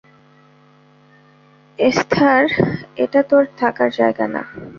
Esther, এটা তোর থাকার জায়গা না।